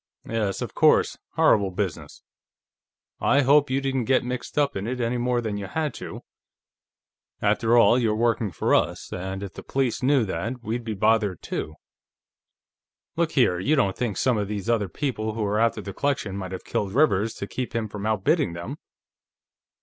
"Yes, of course. Horrible business. I hope you didn't get mixed up in it any more than you had to. After all, you're working for us, and if the police knew that, we'd be bothered, too.... Look here, you don't think some of these other people who were after the collection might have killed Rivers, to keep him from outbidding them?"